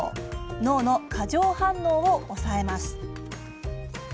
脳の過剰反応を抑えます。